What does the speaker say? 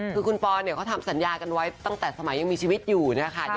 คือคุณปอนเขาทำสัญญากันไว้ตั้งแต่สมัยยังมีชีวิตอยู่นะคะ